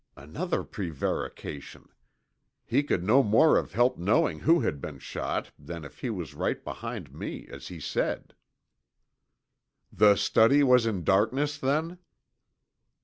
Another prevarication! He could no more have helped knowing who had been shot than I if he was right behind me as he said! "The study was in darkness then?"